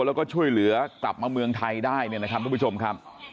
แล้วก็ช่วยเหลือกลับมาเมืองไทยได้นะครับประชมครับ